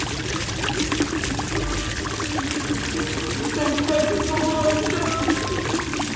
せっかくここまで来たのに。